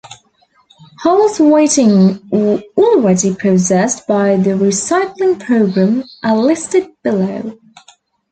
Hulls waiting or already processed by the recycling program are listed below.